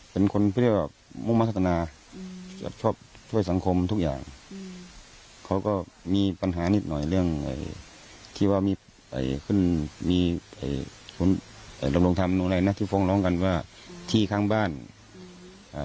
เป็นคนเพื่อมุมธรรณาชอบช่วยสังคมทุกอย่างเขาก็มีปัญหานิดหน่อยเรื่องที่ว่ามีไปขึ้นมีคุณลงทำอะไรน่ะที่ฟ้องร้องกันว่าที่ข้างบ้านอ่า